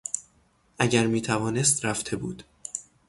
اگر میتوانست رفته بود.